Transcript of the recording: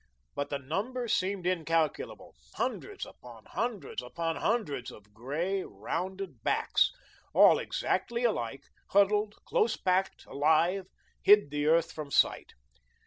But the number seemed incalculable. Hundreds upon hundreds upon hundreds of grey, rounded backs, all exactly alike, huddled, close packed, alive, hid the earth from sight.